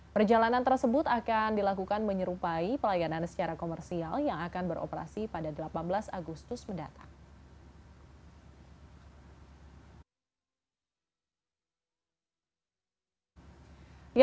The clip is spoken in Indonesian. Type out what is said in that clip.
perjalanan tersebut akan dilakukan menyerupai pelayanan secara komersial yang akan beroperasi pada delapan belas agustus mendatang